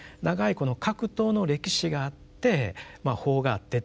この格闘の歴史があって法があってっていうことですね。